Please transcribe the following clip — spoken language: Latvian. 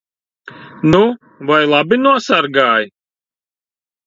Nu vai labi nosargāji?